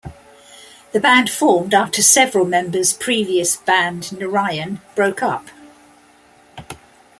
The band formed after several members previous band Narayan broke up.